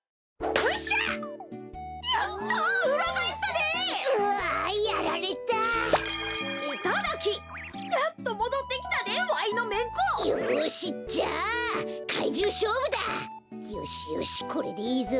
よしよしこれでいいぞ。